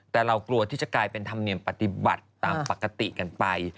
แต่เรากลัวที่จะกลายเป็นธรรมเนียมปฏิบัติตามปกติกันไป